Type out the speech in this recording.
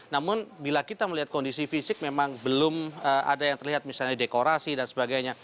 namun bila kita melihat kondisi fisik memang belum ada yang terlihat misalnya dekorasi dan sebagainya